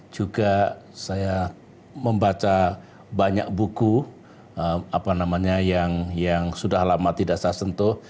juga saya membaca banyak buku yang sudah lama tidak saya sentuh